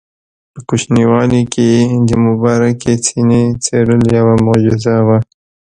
په کوچنیوالي کې یې د مبارکې سینې څیرل یوه معجزه وه.